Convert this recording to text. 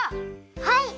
はい！